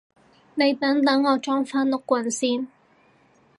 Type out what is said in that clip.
你等等我裝返碌棍先